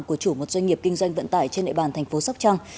của chủ một doanh nghiệp kinh doanh vận tải trên địa bàn thành phố sóc trăng